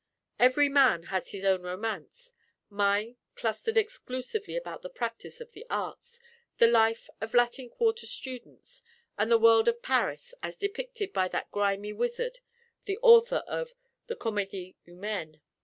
Every man has his own romance; mine clustered exclusively about the practice of the arts, the life of Latin Quarter students, and the world of Paris as depicted by that grimy wizard, the author of the Comedie Humaine.